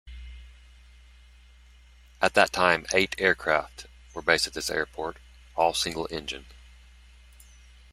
At that time eight aircraft were based at this airport, all single-engine.